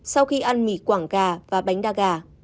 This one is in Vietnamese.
sau khi ăn mỉ quảng gà và bánh đa gà